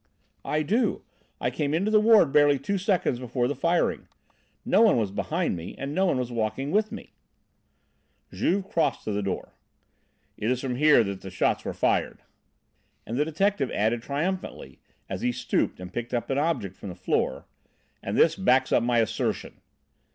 "I do. I came into the ward barely two seconds before the firing. No one was behind me and no one was walking before me." Juve crossed to the door. "It is from here that the shots were fired!" And the detective added triumphantly as he stooped and picked up an object from the floor: "And this backs up my assertion!"